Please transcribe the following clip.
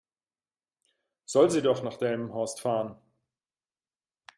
Soll sie doch nach Delmenhorst fahren?